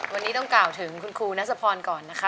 วันนี้ต้องกล่าวถึงคุณครูนัสพรก่อนนะคะ